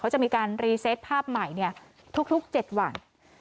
เขาจะมีการรีเซ็ตภาพใหม่เนี่ยทุก๗วัน